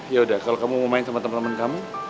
yaudah kalau kamu mau main sama temen temen kami